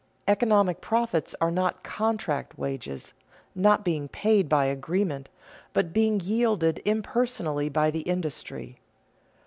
Economic profits are not contract wages, not being paid by agreement, but being yielded impersonally by the industry.